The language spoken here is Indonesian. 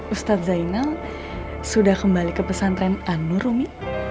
ustadz zainal sudah kembali ke pesantren anur rumi